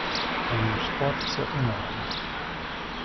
Con uno sforzo enorme.